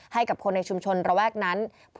ให้กับคนในชุมชนระแวกนั้น